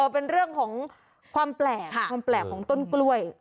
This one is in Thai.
เป็นเรื่องของความแปลกความแปลกของต้นกล้วย